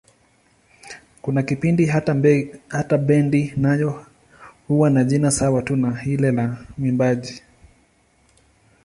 Kuna kipindi hata bendi nayo huwa na jina sawa tu na lile la mwimbaji.